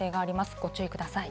ご注意ください。